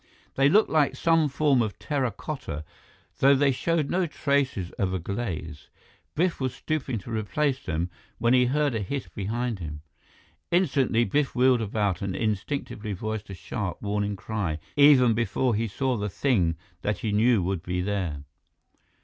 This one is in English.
They looked like some form of terra cotta, though they showed no traces of a glaze. Biff was stooping to replace them, when he heard a hiss behind him. Instantly, Biff wheeled about and instinctively voiced a sharp, warning cry, even before he saw the thing that he knew would be there.